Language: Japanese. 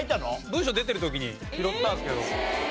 文章出てる時に拾ったんですけど。